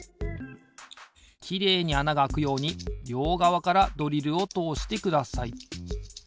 きれいにあながあくようにりょうがわからドリルをとおしてください。